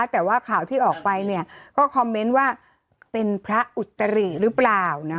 แต่ว่าข่าวที่ออกไปก็คอมเมนต์ว่าเป็นพระอุตริหรือเปล่า